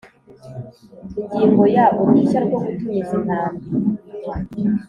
Ingingo ya Uruhushya rwo gutumiza intambi